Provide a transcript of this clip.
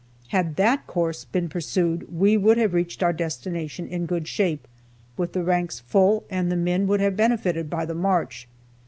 Had that course been pursued, we would have reached our destination in good shape, with the ranks full, and the men would have been benefited by the march.